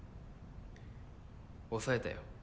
押さえたよ